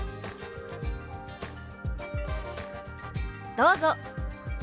どうぞ！